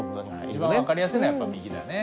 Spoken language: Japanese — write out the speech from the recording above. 一番分かりやすいのはやっぱ右だね。